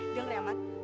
dengar ya mamat